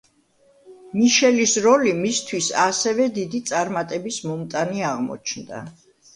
მიშელის როლი მისთვის ასევე დიდი წარმატების მომტანი აღმოჩნდა.